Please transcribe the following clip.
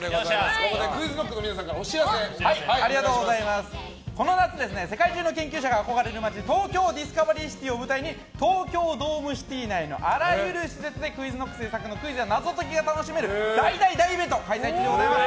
ここでＱｕｉｚＫｎｏｃｋのこの夏世界中の研究者が憧れる街トーキョーディスカバリーシティを舞台に東京ドームシティ内のあらゆる施設でＱｕｉｚＫｎｏｃｋ制作のクイズや謎解きをお楽しみいただける大イベント開催中です。